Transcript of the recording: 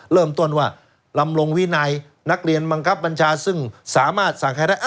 เริ่มต้นว่าลำลงวินัยนักเรียนบังคับบัญชาซึ่งสามารถสั่งใครได้